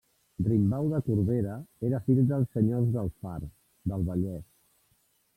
Riambau de Corbera era fill dels senyors del Far, del Vallès.